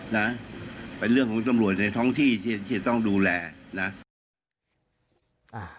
นะเป็นเรื่องของตำรวจในท้องที่ที่จะต้องดูแลนะ